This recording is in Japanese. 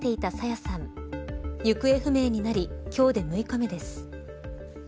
行方不明になり今日で６日目です。